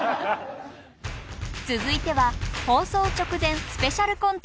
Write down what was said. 続いては放送直前スペシャルコント